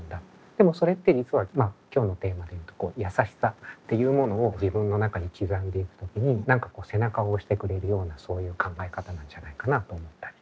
でもそれって実はまあ今日のテーマで言うと「やさしさ」っていうものを自分の中に刻んでいく時に何か背中を押してくれるようなそういう考え方なんじゃないかなと思ったり。